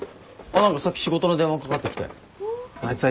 何かさっき仕事の電話かかってきて。